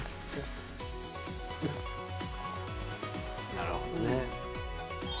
なるほどね。